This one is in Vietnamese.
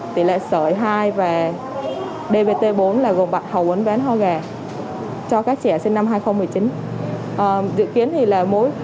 tỷ lệ sợi hai và dvt bốn là gồm bạch hầu uống ván ho gà cho các trẻ sinh năm hai nghìn một mươi chín dự kiến thì là mỗi